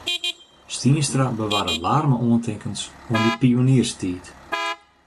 Stienstra bewarre waarme oantinkens oan dy pionierstiid.